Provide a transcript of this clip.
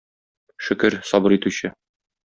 Шөкер, сабыр итүче.